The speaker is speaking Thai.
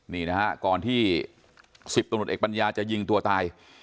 นี่นะฮะก่อนที่๑๐ตำรวจเอกปัญญาจะยิงตัวตาย